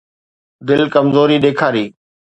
دل ڪمزوري ڏيکاري.